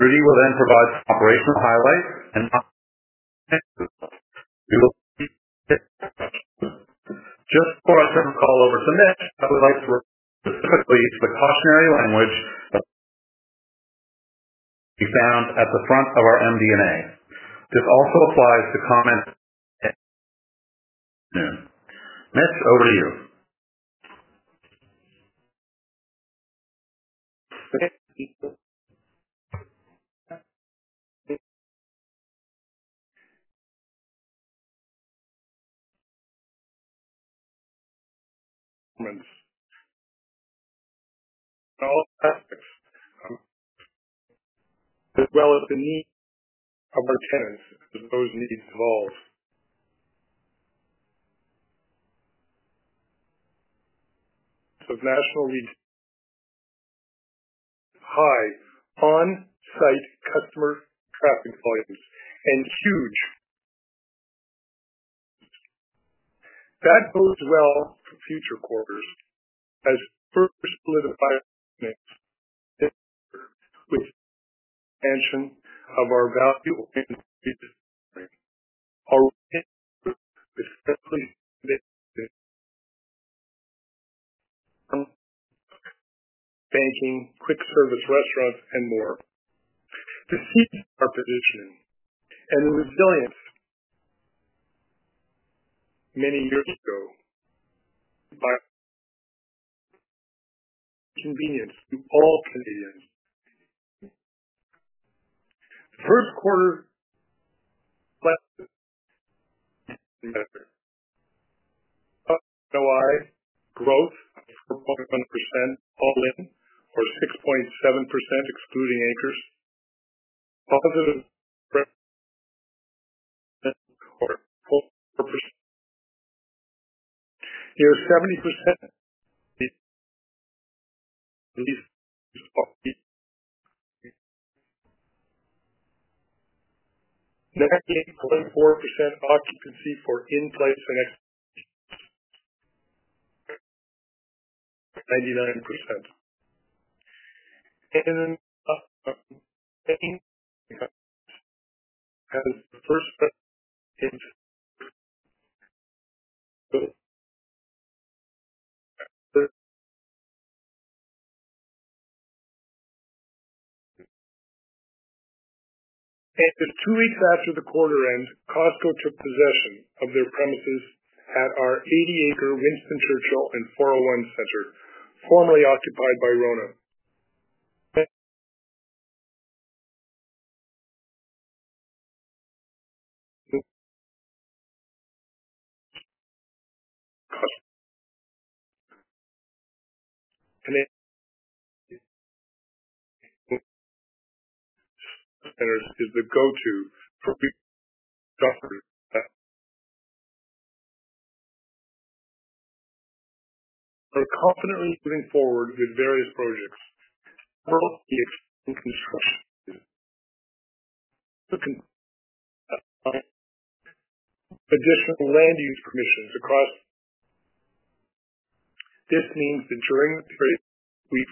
Rudy will then provide some operational highlights and some financials. Just before I turn the call over to Mitch, I would like to refer specifically to the cautionary language found at the front of our MD&A. This also applies to comments. Mitch, over to you. As well as the needs of our tenants, as those needs evolve of national retailers continue to generate high on-site customer traffic volumes and huge in-store sales volumes. That bodes well for future quarters as further solidifies with expansion of our value and banking, quick service restaurants, and more. To see our position and resilience many years ago by convenience to all Canadians. The first quarter met NOI growth of 4.1% all in or 6.7% excluding anchors. Positive renewals for 4% near 70%, 98.4% occupancy for in-place and committed 99%. Two weeks after the quarter end, Costco took possession of their premises at our 80-acre Winston Churchill and 401 Centre, formerly occupied by Rona. SmartCentres is the go-to for confidently moving forward with various projects, both the construction additional land use permissions across. This means that during the period we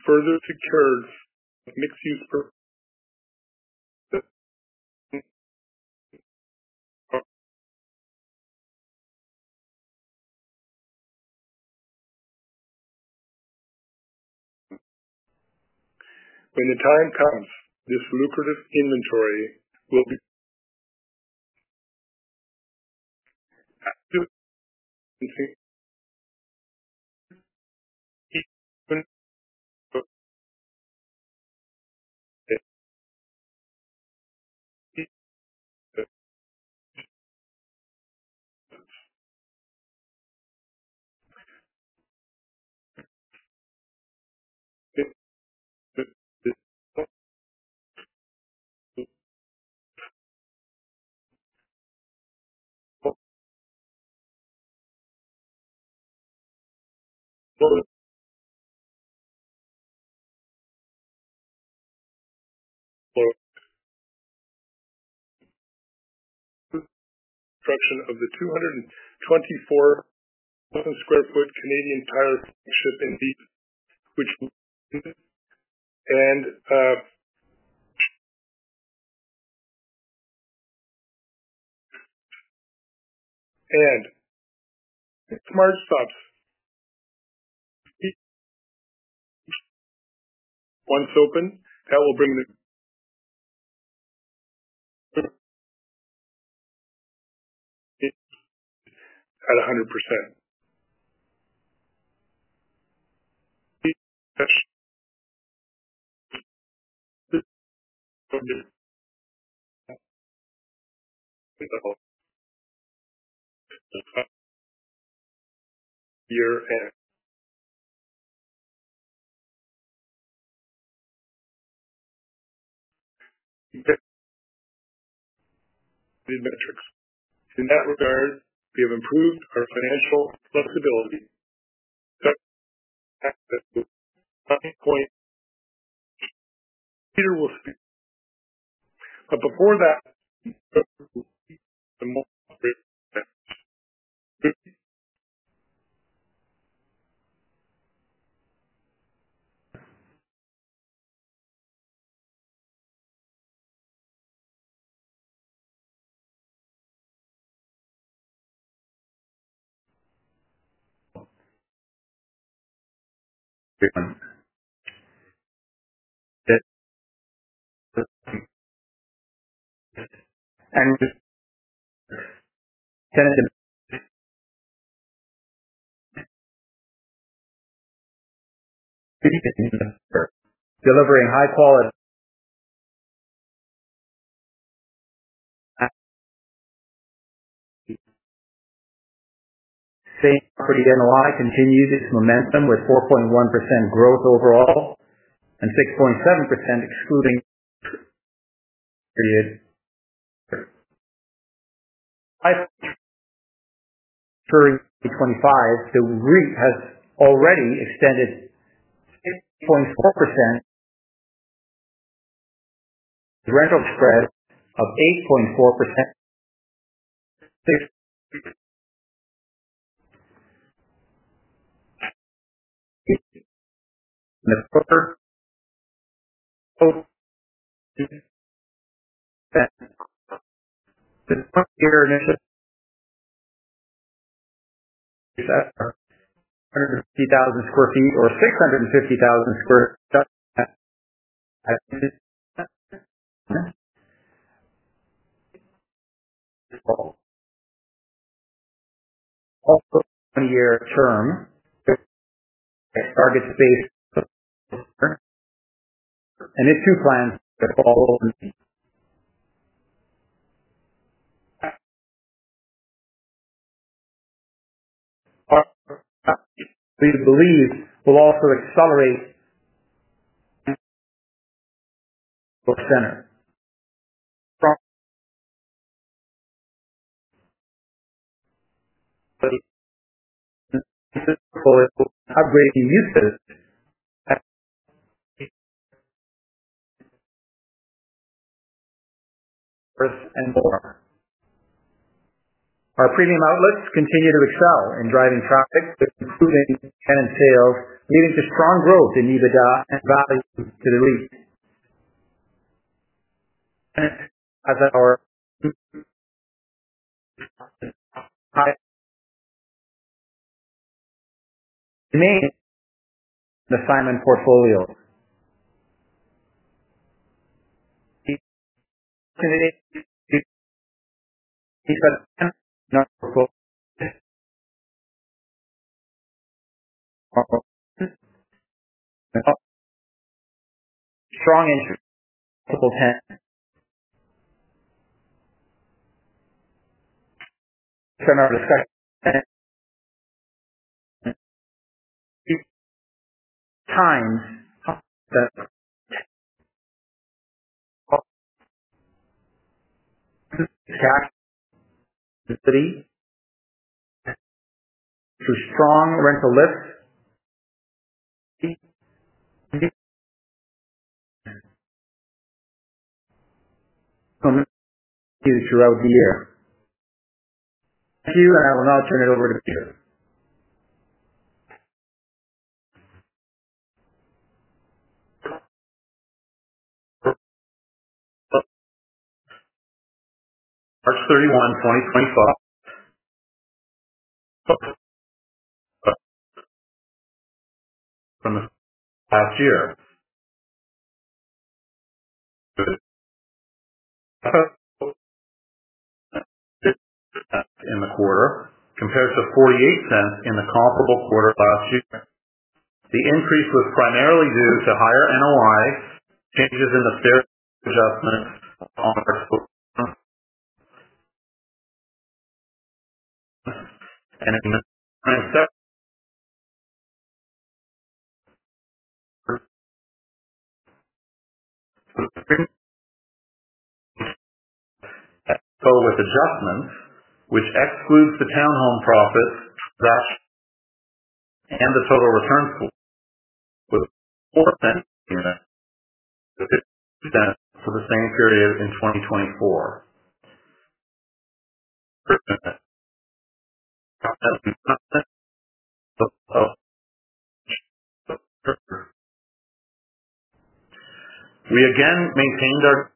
further secured mixed use. When the time comes, this lucrative inventory will be. Construction of the 224,000 sq ft Canadian Tire flagship in. Once open, that will bring the. At 100%. In that regard, we have improved our financial flexibility. Delivering high quality. Same property NOI continues its momentum with 4.1% growth overall and 6.7% excluding. By 2025, the REIT has already extended 6.4% rental spread of 8.4%. The current year initial is at 150,000 sq ft or 650,000 sq ft at. Also a 20-year term target space. And it is two plans that follow. We believe we'll also accelerate our center, upgrading uses. Our premium outlets continue to excel in driving traffic, including tenant sales, leading to strong growth in EBITDA and value to the REIT. Strong entry. Multiple 10. Turn our discussion. Times through strong rental lifts. Thank you, and I will now turn it over to Peter. March 31, 2025. From last year. In the quarter compared to 0.48 in the comparable quarter last year. The increase was primarily due to higher NOI changes in the fair value adjustment on our investment properties with adjustments, which excludes the townhome profits, and the total return was $0.04 for the same period in 2024. We again maintained our.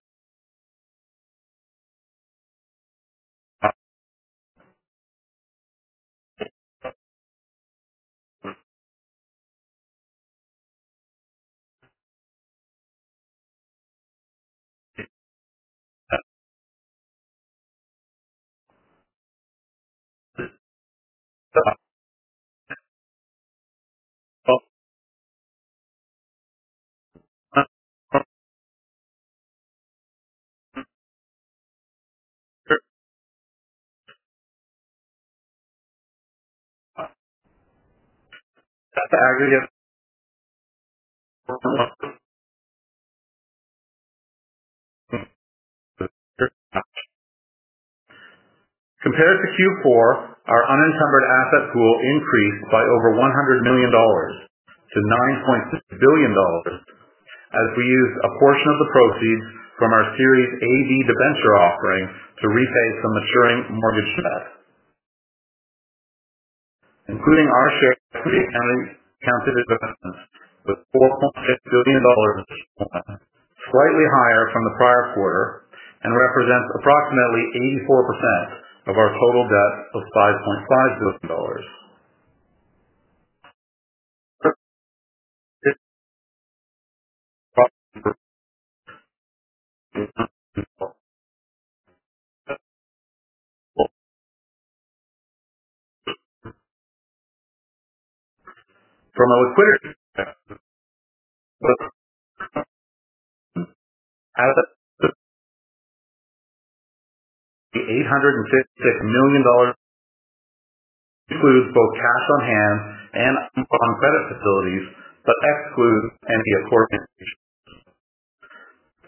Compared to Q4, our unencumbered asset pool increased by over $100 million to 9.6 billion dollars as we used a portion of the proceeds from our Series AB debenture offering to repay some maturing mortgage debt. Including our share counted with CAD 4.6 billion this month, slightly higher from the prior quarter and represents approximately 84% of our total debt of CAD 5.5 billion. From a liquidity of the 856 million dollars includes both cash on hand and on credit facilities but excludes any accordion fees.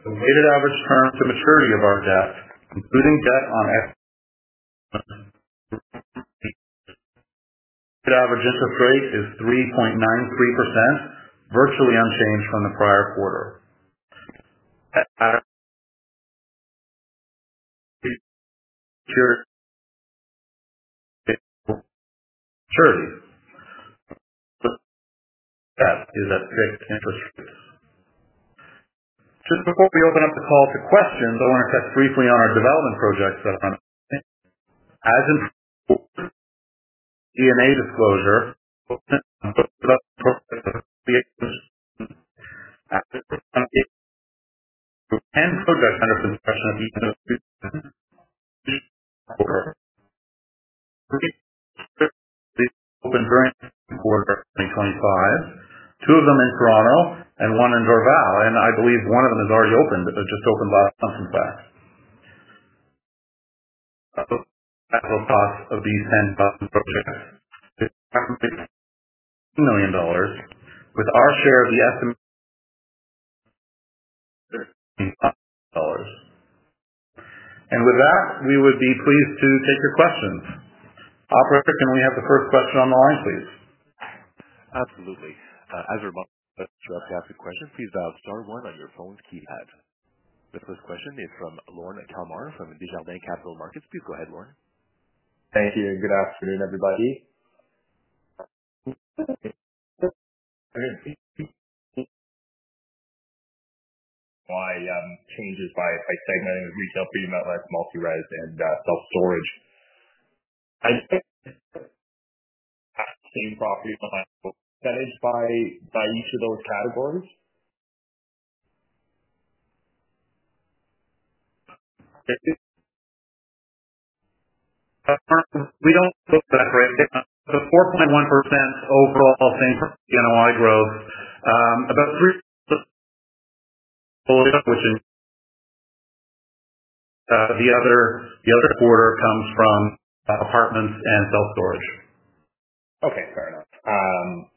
The weighted average term to maturity of our debt, including debt on. Average interest rate is 3.93%, virtually unchanged from the prior quarter. Just before we open up the call to questions, I want to touch briefly on our development projects that are on. As in MD&A disclosure, 10 projects under construction at the end of the quarter. Three open during the quarter of 2025, two of them in Toronto and one in Dorval, and I believe one of them is already opened, just opened last month in fact. Of these 10 projects. 2 million dollars with our share of the estimate. With that, we would be pleased to take your questions. Operator, can we have the first question on the line, please? Absolutely. As a reminder, to ask a question, please dial star one on your phone's keypad. The first question is from Lorne Kalmar from Desjardins Capital Markets. Please go ahead, Lorne. Thank you. Good afternoon, everybody. Why changes by segmenting with retail premium outlets, multi-res and self-storage. Same property line. Percentage by each of those categories. We do not look separate. The 4.1% overall same NOI growth, about 3%, which the other quarter comes from apartments and self-storage. Okay, fair enough.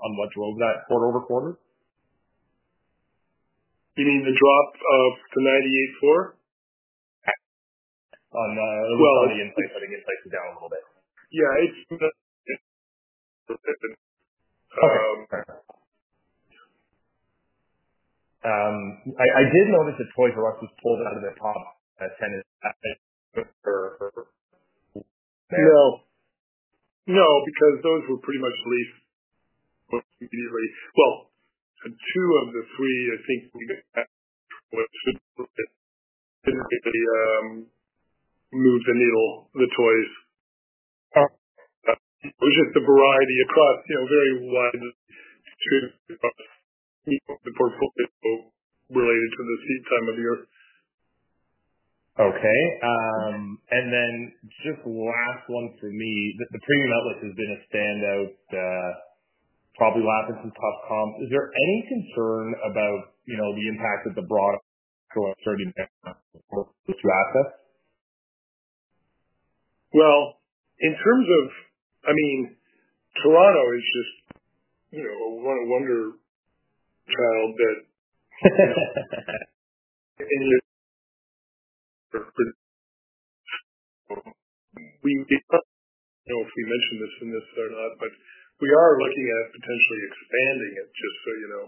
On what drove that quarter-over-quarter? You mean the drop of the 98.4? On the in-place, putting in place is down a little bit. Yeah. I did notice that Toys "R" Us were actually pulled out of their top tenants. No. No, because those were pretty much leased immediately. Two of the three I think we got should really move the needle, the toys. It was just the variety across very wide distributed across the portfolio related to the seed time of year. Okay. Just last one for me. The premium outlets have been a standout, probably laughing some tough comps. Is there any concern about the impact that the broad to assets? In terms of, I mean, Toronto is just a wonder child that. We know if we mention this in this or not, but we are looking at potentially expanding it just so you know.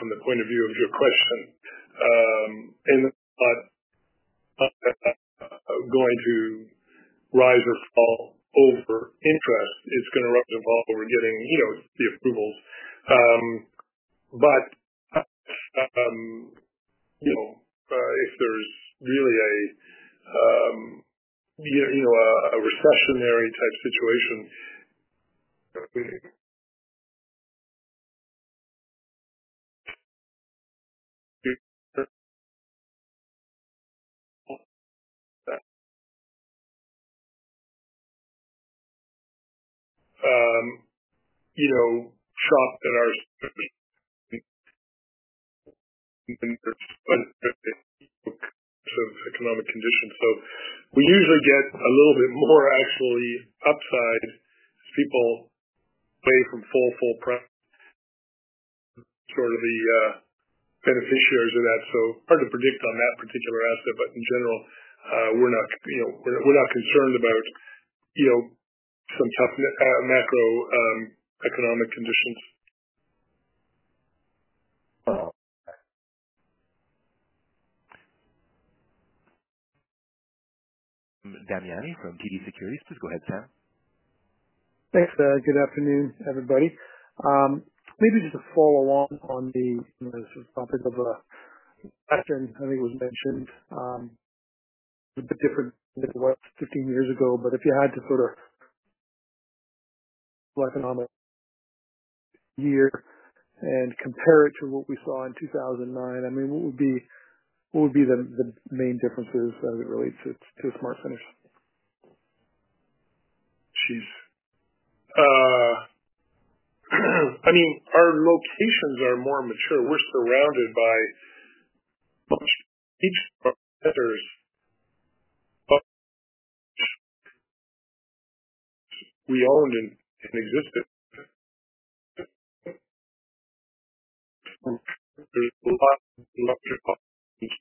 From the point of view of your question, not going to rise or fall over interest, it's going to rise and fall over getting the approvals. If there's really a recessionary type situation. Shop at ours of economic conditions. We usually get a little bit more actually upside as people away from full, full price, sort of the beneficiaries of that. Hard to predict on that particular asset, but in general, we're not concerned about some tough macroeconomic conditions. Next question from Sam Damiani from TD Securities. Please go ahead, sir. Thanks. Good afternoon, everybody. Maybe just to follow along on the topic of the question, I think it was mentioned. It's a bit different than it was 15 years ago, but if you had to sort of economic year and compare it to what we saw in 2009, I mean, what would be the main differences as it relates to SmartCentres? Jeez. I mean, our locations are more mature. We're surrounded by each of our vendors. We owned and existed. There's a lot of electric options.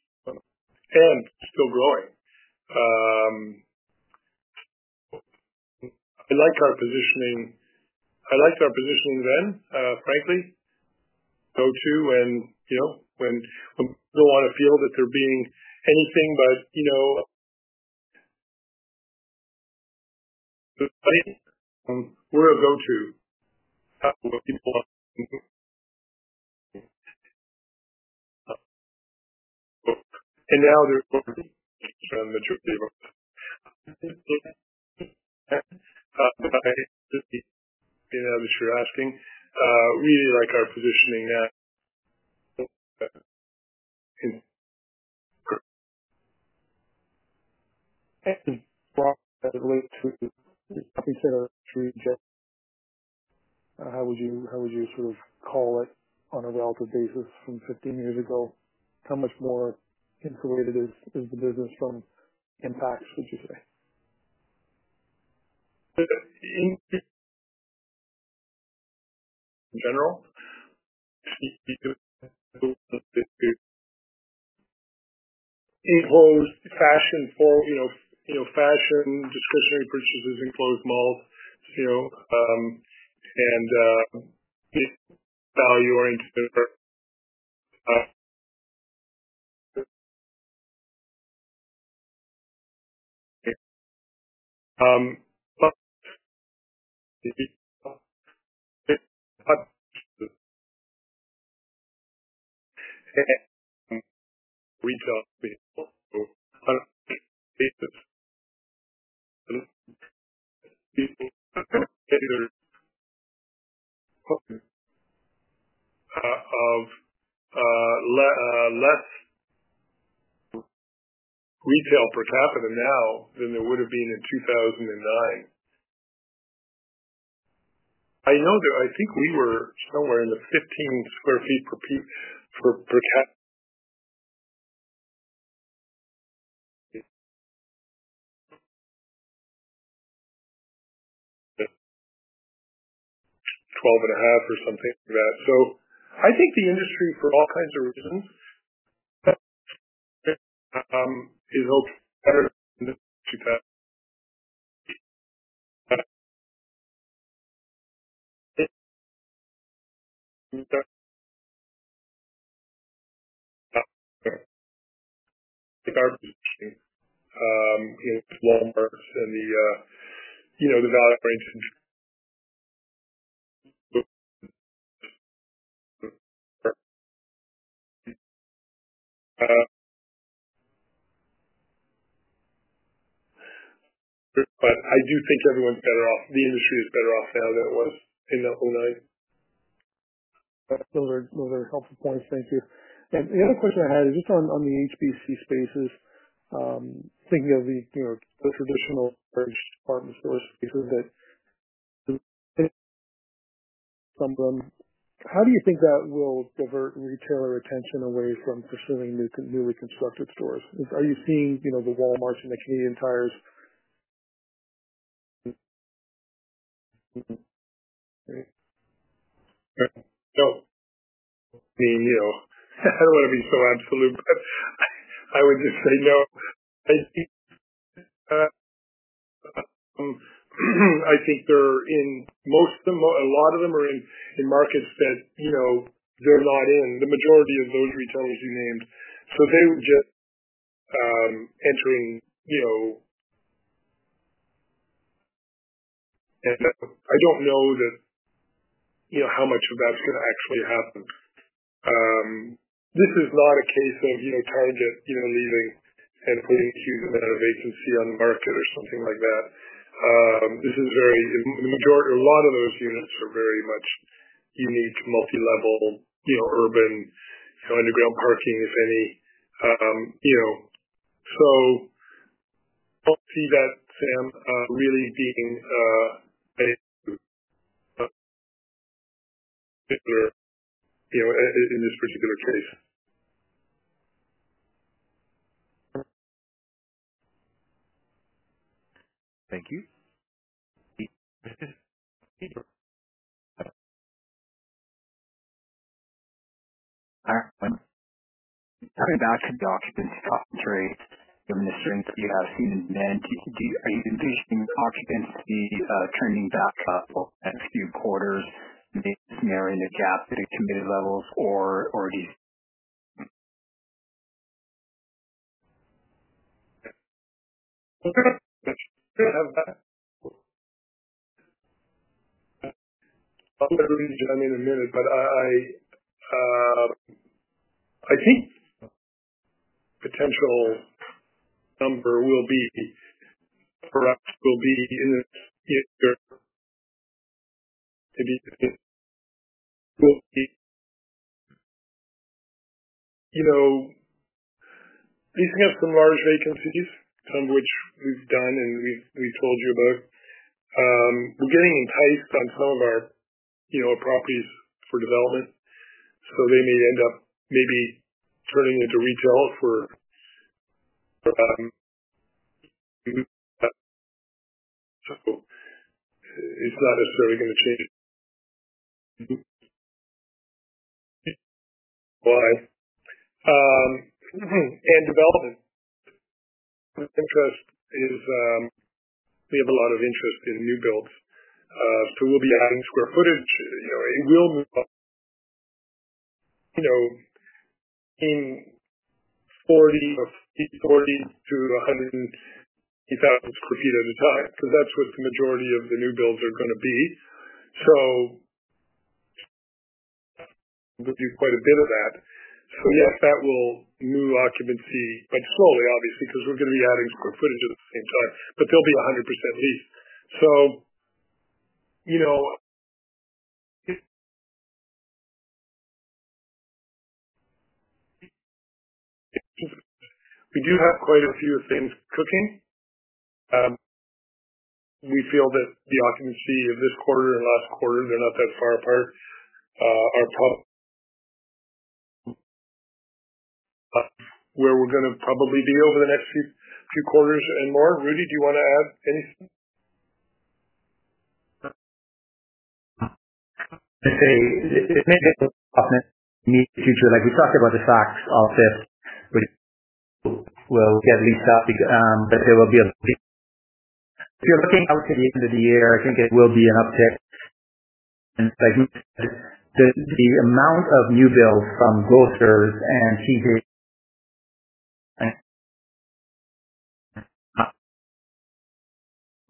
And still growing. I liked our positioning. I liked our positioning then, frankly. Go to when people want to feel that they're being anything but. We're a go-to. Now they're on the majority of our list. I know that you're asking. We like our positioning now. Brought as it relates to consider to reject? How would you sort of call it on a relative basis from 15 years ago? How much more insulated is the business from impacts, would you say? In general, enclosed fashion for fashion discretionary purchases in closed malls and value-oriented. Less retail per capita now than there would have been in 2009. I think we were somewhere in the 15 sq ft per capita, 12.5 or something like that. I think the industry for all kinds of reasons is okay in 2009. Like our positioning with Walmart and the value-oriented. I do think everyone's better off. The industry is better off now than it was in 2009. Those are helpful points. Thank you. The other question I had is just on the HBC spaces, thinking of the traditional large department store spaces that some of them. How do you think that will divert retailer attention away from pursuing newly constructed stores? Are you seeing the Walmarts and the Canadian Tires? I mean, I don't want to be so absolute, but I would just say no. I think they're in most of the, a lot of them are in markets that they're not in, the majority of those retailers you named. So they were just entering. I don't know how much of that's going to actually happen. This is not a case of Target leaving and putting a huge amount of vacancy on the market or something like that. This is very, a lot of those units are very much unique multi-level urban underground parking, if any. I do not see that, Sam, really being a particular in this particular case. Thank you. All right. Coming back to the occupancy topic today, given the strength that you have seen in demand, are you envisioning occupancy trending back the next few quarters, maybe narrowing the gap to committed levels, or do you? I will let Rudy join in a minute, but I think the potential number will be perhaps will be in this year. These have some large vacancies, some of which we have done and we have told you about. We are getting enticed on some of our properties for development, so they may end up maybe turning into retail for. It is not necessarily going to change. Why? Development interest is we have a lot of interest in new builds. We'll be adding square footage. It will be 40,000-180,000 sq ft at a time because that's what the majority of the new builds are going to be. There'll be quite a bit of that. Yes, that will move occupancy, but slowly, obviously, because we're going to be adding square footage at the same time, but they'll be 100% leased. We do have quite a few things cooking. We feel that the occupancy of this quarter and last quarter, they're not that far apart, are probably where we're going to probably be over the next few quarters and more. Rudy, do you want to add anything? I'd say it may be a little bit of an immediate future. Like we talked about the Saks OFF 5TH, which will get leased up, but there will be a lease. If you're looking out to the end of the year, I think it will be an uptick. The amount of new builds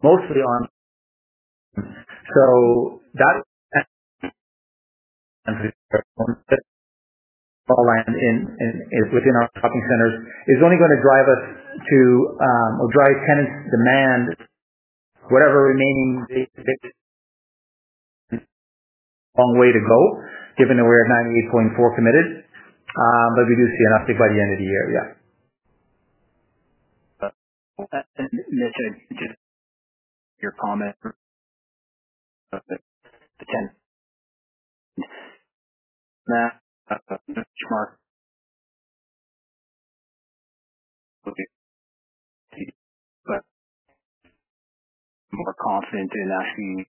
from grocers and TJX mostly on. That land within our shopping centers is only going to drive us to or drive tenants' demand, whatever remaining long way to go, given that we're at 98.4% committed. We do see an uptick by the end of the year, yeah. To your comment, the tenant benchmark will be more confident in actually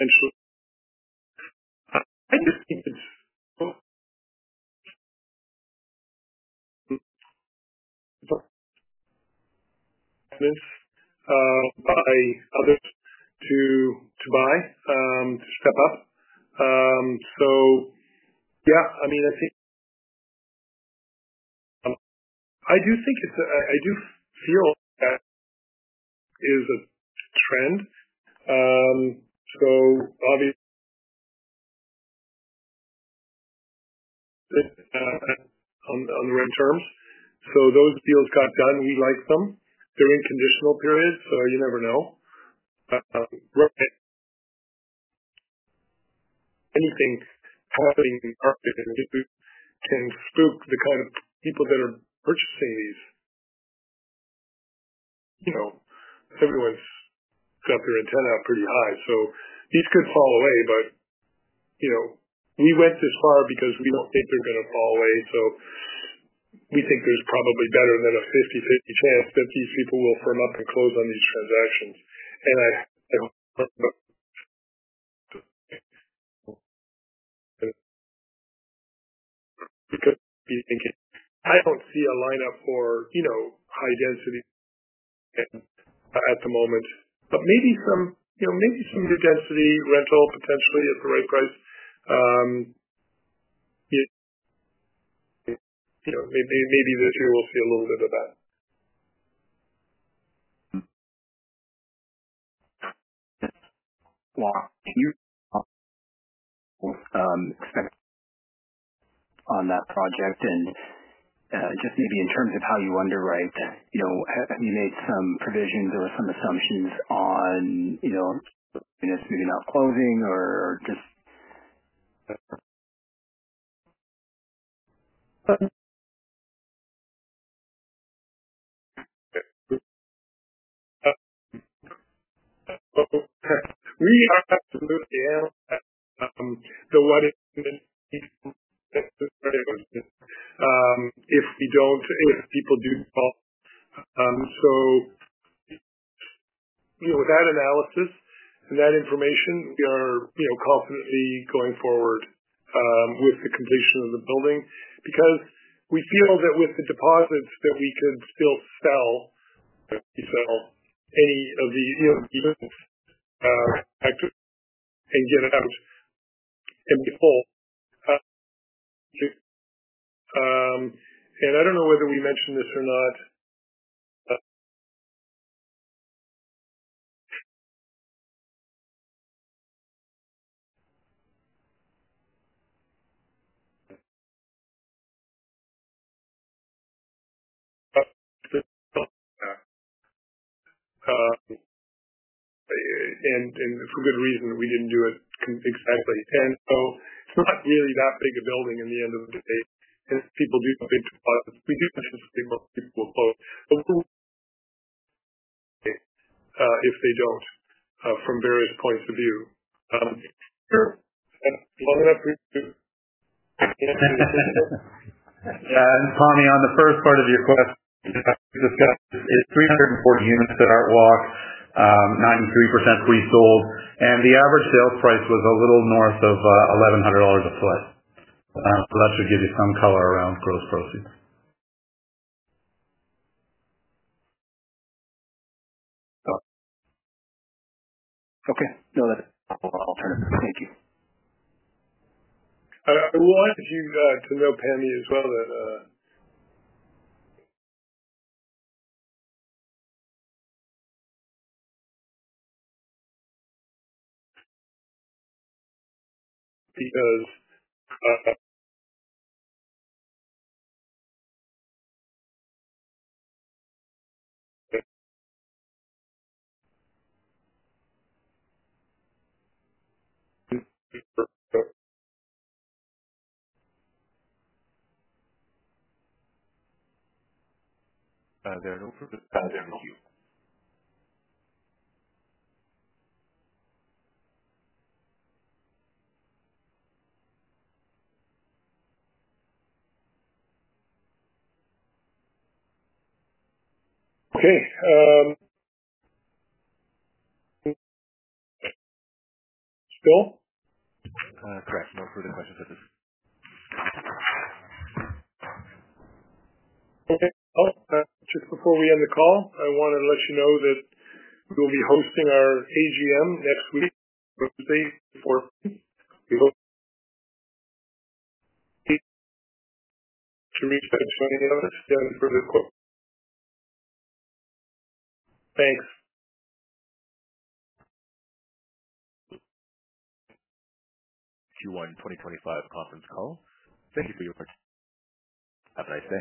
potentially. I just think it's by others to buy, to step up. Yeah, I mean, I think I do think it's I do feel that is a trend. Obviously, on the rent terms. Those deals got done. We liked them. They're in conditional period, so you never know. Anything happening in the market can spook the kind of people that are purchasing these. Everyone's got their antenna pretty high. These could fall away, but we went this far because we don't think they're going to fall away. We think there's probably better than a 50-50 chance that these people will firm up and close on these transactions. I hope because I don't see a lineup for high density at the moment, but maybe some new density rental potentially at the right price. Maybe this year we'll see a little bit of that. Can you expect on that project and just maybe in terms of how you underwrite, have you made some provisions or some assumptions on units maybe not closing or just? We are absolutely analysts. The one is if we don't, if people do call. With that analysis and that information, we are confidently going forward with the completion of the building because we feel that with the deposits that we could still sell. We sell any of the units and get out and pull. I do not know whether we mentioned this or not. For good reason, we did not do it exactly. It is not really that big a building at the end of the day. If people do come in, we do potentially, most people will close. If they do not, from various points of view. Long enough for you. Sam, on the first part of your question, I discussed it is 340 units at ArtWalk, 93% pre-sold. The average sales price was a little north of 1,100 dollars a foot. That should give you some color around gross proceeds. Okay. No, that is all alternative. Thank you. I wanted you to know, Sammy, as well that. Because. Okay. Still? Correct. No further questions at this point. Just before we end the call, I wanted to let you know that we will be hosting our AGM next week, Thursday the 14th. We hope to reach back to any of us during the quarter. Thanks. Q1 2025 conference call. Thank you for your participation. Have a nice.